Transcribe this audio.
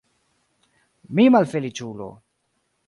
Mi malfeliĉulo!